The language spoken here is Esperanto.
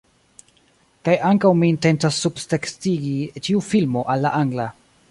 Kaj ankaŭ mi intencas subtekstigi ĉiu filmo al la angla